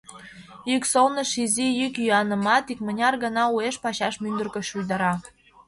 Йӱксолныш изи йӱк-йӱанымат икмыняр гана уэш-пачаш мӱндыркӧ шуйдара.